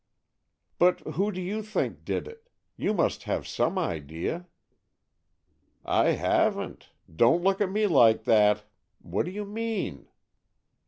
"But who do you think did it? You must have some idea!" "I haven't! Don't look at me like that! What do you mean?"